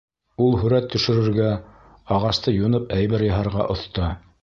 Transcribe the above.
Ул һүрәт төшөрөргә, ағасты юнып әйбер яһарға оҫта.